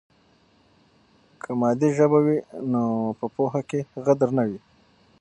که مادي ژبه وي نو په پوهه کې غدر نه وي.